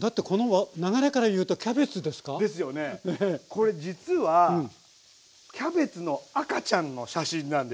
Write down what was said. これ実はキャベツの赤ちゃんの写真なんです。